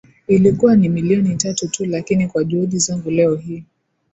ilikuwa ni milioni tatu tu lakini kwa juhudi zangu leo hii